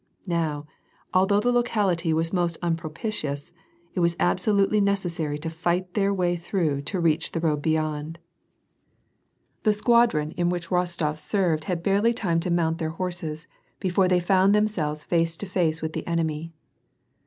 Now, although the locality was most unpropitious, it was absolutely necessary to fight their way through to reach the road beyond. The squadron in which Rostof served had barely time to mount their horses, before they found themselves face to face with the enemy.